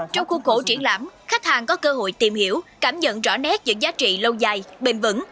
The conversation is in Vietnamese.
trong khu cổ triển lãm khách hàng có cơ hội tìm hiểu cảm nhận rõ nét những giá trị lâu dài bền vững